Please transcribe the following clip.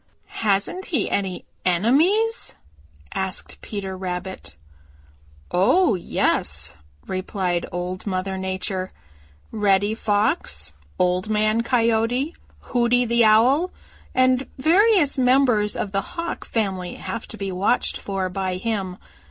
"Hasn't he any enemies?" asked Peter Rabbit. "Oh, yes," replied Old Mother Nature. "Reddy Fox, Old Man Coyote, Hooty the Owl and various members of the Hawk family have to be watched for by him.